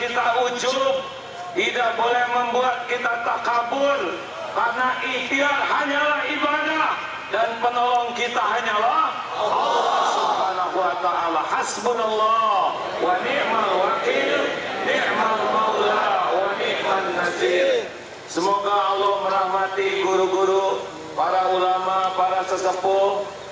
semoga allah merahmati guru guru para ulama para sesepuh